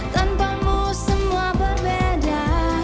tanpamu semua berbeda